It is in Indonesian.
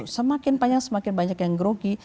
semakin banyak semakin banyak yang grogi